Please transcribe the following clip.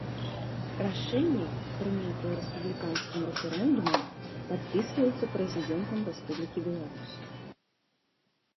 Рашэнні, прынятыя рэспубліканскім рэферэндумам, падпісваюцца Прэзідэнтам Рэспублікі Беларусь.